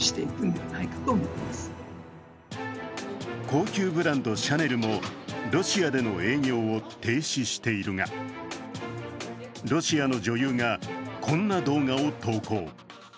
高級ブランド、シャネルもロシアでの営業を停止しているがロシアの女優がこんな動画を投稿。